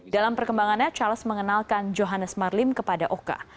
dalam perkembangannya charles mengenalkan johannes marlim kepada oka